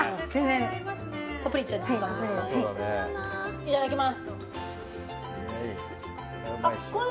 いただきます。